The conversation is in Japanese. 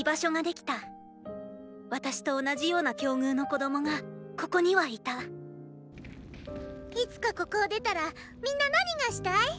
私と同じような境遇の子どもがここにはいたいつかここを出たら皆何がしたい？